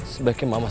sebaiknya mama suka